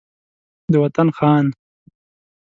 د وطن خان